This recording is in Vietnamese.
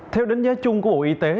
theo đánh giá chung của bộ y tế